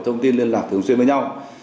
thông tin liên lạc thường xuyên với nhau